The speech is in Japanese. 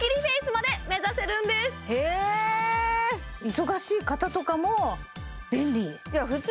忙しい方とかも便利普通